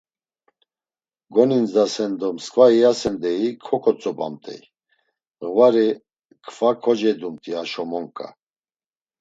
Goninzdasen do sǩva iyasen, deyi ǩoǩotzobamt̆ey ğvari, kfa kocedumt̆i haşo monǩa.